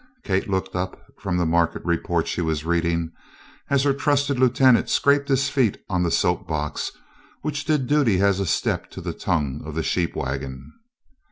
Kate looked up from the market report she was reading as her trusted lieutenant scraped his feet on the soap box which did duty as a step to the tongue of the sheep wagon.